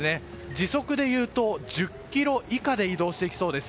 時速でいうと１０キロ以下で移動していきそうです。